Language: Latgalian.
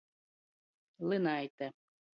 Lynaite.